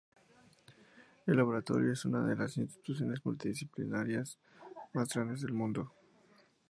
El laboratorio es una de las instituciones multidisciplinares más grandes del mundo.